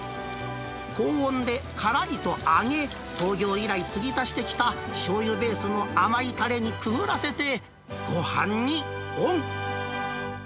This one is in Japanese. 高温でからりと揚げ、創業以来継ぎ足してきたしょうゆベースの甘いたれにくぐらせて、ごはんにオン。